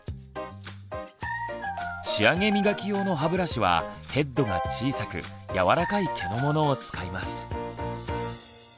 仕上げ磨き用の歯ブラシはヘッドが小さくやわらかい毛のものを使います。